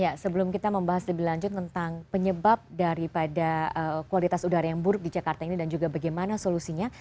ya sebelum kita membahas lebih lanjut tentang penyebab daripada kualitas udara yang buruk di jakarta ini dan juga bagaimana solusinya